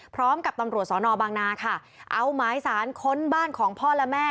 พร้อมกับตำรวจสอนอบางนาค่ะเอาหมายสารค้นบ้านของพ่อและแม่